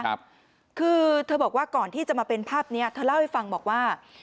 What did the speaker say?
คือเธอบอกว่าก่อนที่จะมาเป็นภาพเนี้ยเธอเล่าให้ฟังบอกว่า